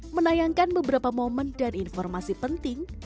menayangkan beberapa momen dan informasi penting